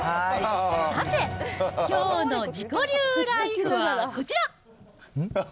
さて、きょうの自己流ライフはこちら。